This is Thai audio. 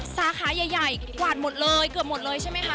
สาขาใหญ่กวาดหมดเลยเกือบหมดเลยใช่ไหมคะ